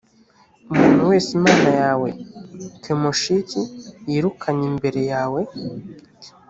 umuntu wese imana yawe kemoshik yirukanye imbere yawe